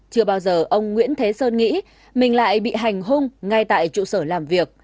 chưa bao giờ ông nguyễn thế sơn nghĩ mình lại bị hành hung ngay tại trụ sở làm việc